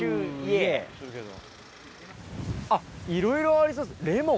あっいろいろありそうレモン。